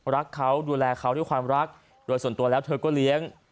รักเขาดูแลเขาด้วยความรักโดยส่วนตัวแล้วเธอก็เลี้ยง